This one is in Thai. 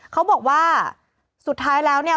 เขาบอกว่าสุดท้ายแล้วเนี่ย